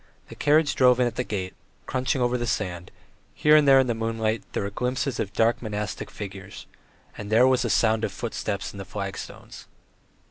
The carriage drove in at the gate, crunching over the sand; here and there in the moonlight there were glimpses of dark monastic figures, and there was the sound of footsteps on the flag stones.